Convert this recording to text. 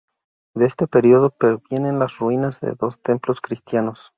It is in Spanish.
De este período perviven las ruinas de dos templos cristianos.